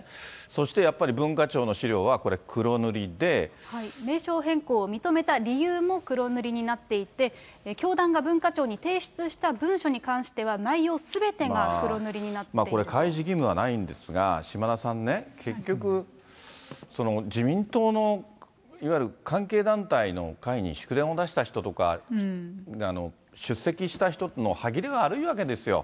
そしてやっぱり、文化庁の資料は名称変更を認めた理由も黒塗りになっていて、教団が文化庁に提出した文書に関しては、内容すこれ開示義務はないんですが、島田さんね、結局、自民党のいわゆる関係団体の会に祝電を出した人とか、出席した人っていうの、歯切れが悪いわけですよ。